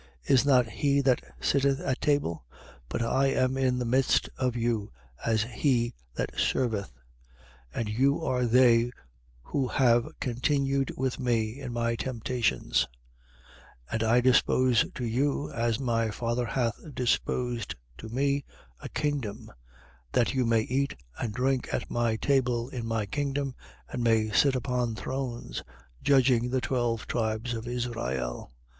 Is not he that sitteth at table? But I am in the midst of you, as he that serveth. 22:28. And you are they who have continued with me in my temptations: 22:29. And I dispose to you, as my Father hath disposed to me, a kingdom; 22:30. That you may eat and drink at my table, in my kingdom: and may sit upon thrones, judging the twelve tribes of Israel.